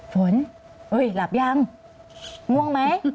ฝนหลับยังง่วงไหม